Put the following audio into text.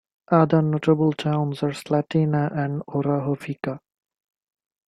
Other notable towns are Slatina and Orahovica.